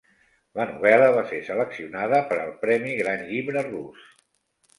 La novel·la va ser seleccionada per al Premi Gran Llibre Rus.